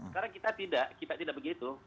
karena kita tidak kita tidak begitu